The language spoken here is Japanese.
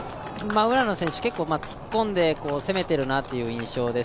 浦野選手、突っ込んで攻めているなという印象です。